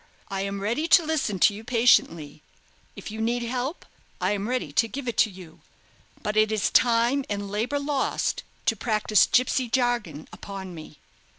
I am ready to listen to you patiently: if you need help, I am ready to give it you; but it is time and labour lost to practise gipsy jargon upon me."